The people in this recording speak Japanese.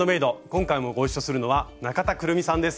今回もご一緒するのは中田クルミさんです。